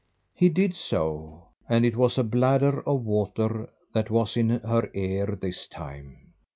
He did so, and it was a bladder of water that was in her ear this time.